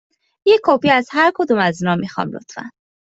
یک کپی از هر کدام از اینها می خواهم، لطفاً.